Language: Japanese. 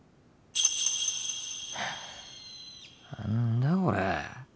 何だこれ。